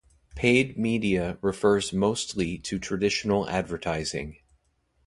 "Paid media" refers mostly to traditional advertising.